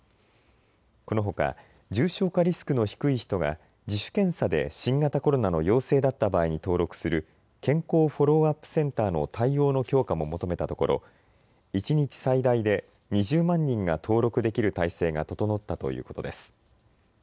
このほか重症化リスクの低い人が自主検査で新型コロナの陽性だった場合に登録する健康フォローアップセンターの対応の強化も求めたところ、一日最大で２０万人が登録できる体制が整ったということです。